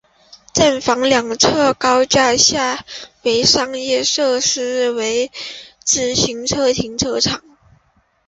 站房两侧高架下为商业设施与自行车停车场。